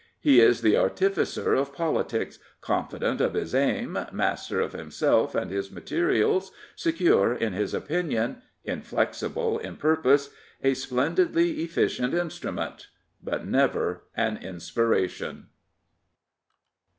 He is the artificer of politics, confident of his aim, master of himself and his materials, secure in his opinion, in flexible in purpose — ^a splendidly efficient instrument, but never an inspiration.